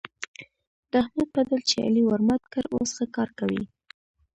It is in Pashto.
د احمد پدل چې علي ورمات کړ؛ اوس ښه کار کوي.